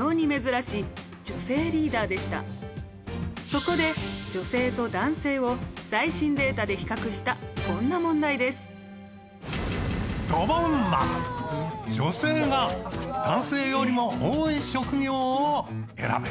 そこで女性と男性を最新データで比較したこんな問題です。を選べ。